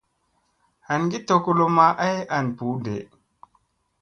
Hangi tokolomma ay an ɓu ɗee.